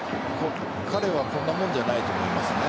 彼はこんなもんじゃないと思いますね。